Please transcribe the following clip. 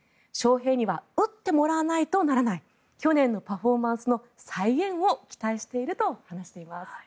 ショウヘイには打ってもらわないとならない去年のパフォーマンスの再現を期待していると話しています。